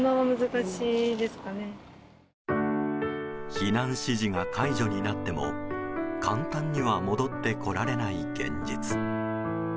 避難指示が解除になっても簡単には戻ってこられない現実。